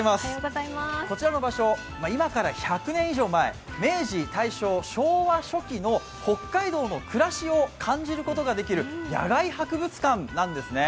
こちらの場所、今から１００年以上前、明治・大正・昭和初期の北海道の暮らしを感じることができる野外博物館なんですね。